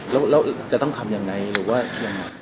แล้วจะต้องทำอย่างไรหรือว่าอย่างไร